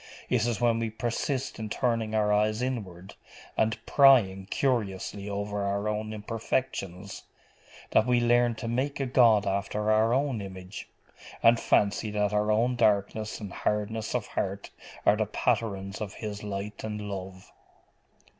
It is when we persist in turning our eyes inward, and prying curiously over our own imperfections, that we learn to make a God after our own image, and fancy that our own darkness and hardness of heart are the patterns of His light and love.